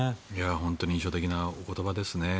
本当に印象的なお言葉ですね。